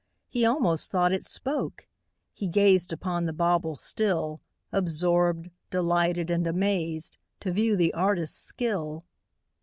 He almost thought it spoke: he gazed Upon the bauble still, Absorbed, delighted, and amazed, To view the artist's skill.